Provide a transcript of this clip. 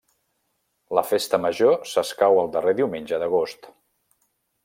La festa major s'escau el darrer diumenge d'agost.